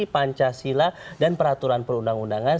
pancasila dan peraturan perundang undangan